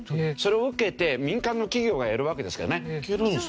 それを受けて民間の企業がやるわけですよね。